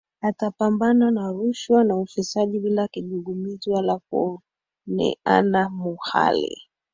Atapambana na rushwa na ufisadi bila kigugumizi wala kuoneana muhali